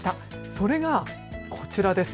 それがこちらです。